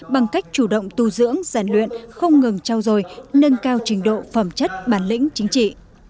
bằng cách chủ động tu dưỡng rèn luyện không ngừng trao dồi nâng cao trình độ phẩm chất bản lĩnh chính trị